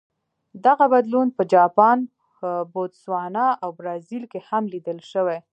دغه بدلون په جاپان، بوتسوانا او برازیل کې هم لیدل شوی.